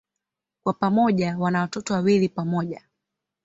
Kwa pamoja wana watoto wawili pamoja.